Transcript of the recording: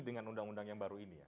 dengan undang undang yang baru ini ya